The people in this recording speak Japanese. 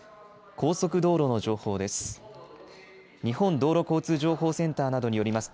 高速道路の情報です。